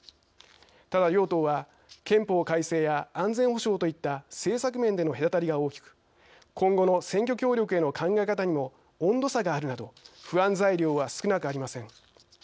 ただ、両党は憲法改正や安全保障といった政策面での隔たりが大きく今後の選挙協力への考え方にも温度差があるなど不安材料は少なくありません。